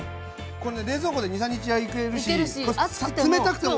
これね冷蔵庫で２３日はいけるし冷たくても。